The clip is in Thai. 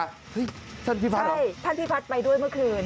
เฮ่ยท่านพี่พัทรเหรอใช่ท่านพี่พัทรไปด้วยเมื่อคืน